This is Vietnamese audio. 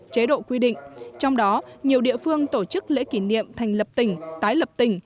chế độ quy định trong đó nhiều địa phương tổ chức lễ kỷ niệm thành lập tỉnh tái lập tỉnh